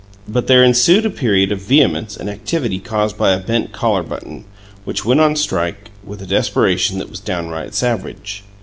But there ensued a period of vehemence and activity caused by a bent collar button, which went on strike with a desperation that was downright savage.